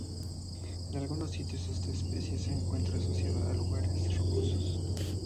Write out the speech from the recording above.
En algunos sitios esta especie se encuentra asociada a lugares rocosos.